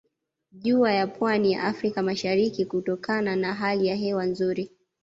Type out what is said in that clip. Juu ya pwani ya Afrika mashariki kutokana na hali ya hewa nzuri